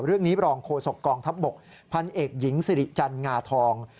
เรื่องนี้รองโฆษกองทัพบกพันเอกหญิงสิริจันงาทอง